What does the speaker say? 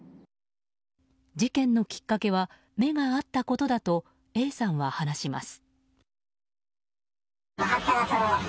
事件のきっかけは目が合ったことだとＡさんは話します。